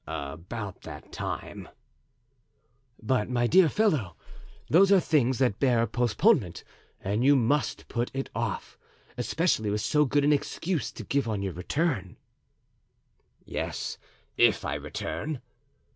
"About that time." "But, my dear fellow, those are things that bear postponement and you must put it off, especially with so good an excuse to give on your return——" "Yes, if I return."